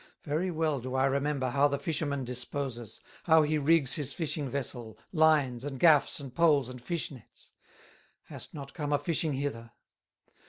Very well do I remember How the fisherman disposes, How he rigs his fishing vessel, Lines, and gaffs, and poles, and fish nets; Hast not come a fishing hither.